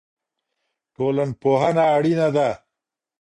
ټولنپوهنه اړینه ده.